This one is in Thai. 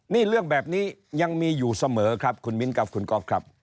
นี่เรื่องแบบนี้ยังมีอยู่เสมอครับคุณมิ้นครับคุณก๊อฟครับ